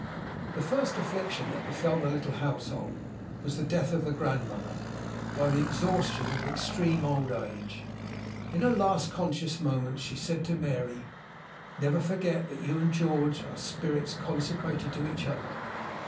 The first affliction that befell the little household was the death of the grandmother, by the exhaustion of extreme old age. In her last conscious moments, she said to Mary, "Never forget that you and George are spirits consecrated to each other.